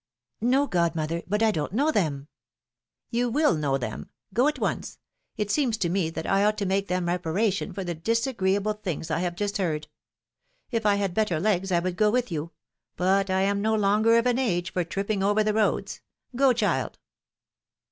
No, godmother, but I don't know them." You will know them. Goat once; it seems to me that I ought to make them reparation for the disagreeable things I have just heard. If I had better legs I would go with you ; but I am no longer of an age for tripping over the roads. Go, child.